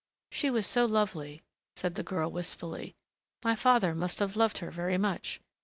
She was so lovely," said the girl wistfully. "My father must have loved her very much